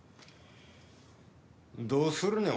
どうするね？